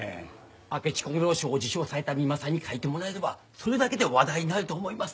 明智小五郎賞を受賞された三馬さんに書いてもらえればそれだけで話題になると思います。